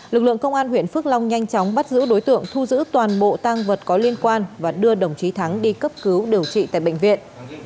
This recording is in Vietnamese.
lực lượng công an huyện phước long nhanh chóng bắt giữ đối tượng thu giữ toàn bộ tăng vật có liên quan và đưa đồng chí thắng đi cấp cứu điều trị tại bệnh viện